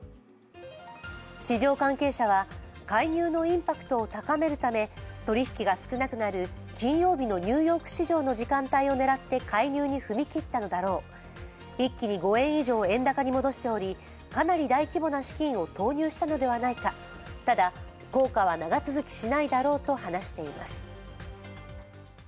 市場関係者は介入のインパクトを高めるため取引が少なくなる金曜日のニューヨーク市場の時間帯を狙って介入に踏み切ったのだろう、一気に５円以上円高に戻しておりかなり大規模な資金を投入したのではないか、ただ効果は長続きしないだろうと話しています。